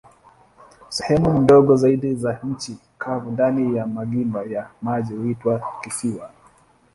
Sehemu ndogo zaidi za nchi kavu ndani ya magimba ya maji huitwa kisiwa.